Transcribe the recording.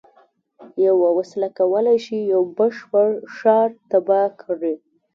یوه وسله کولای شي یو بشپړ ښار تباه کړي